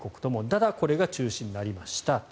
ただ、これが中止になりました。